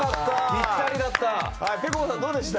ぴったりだった。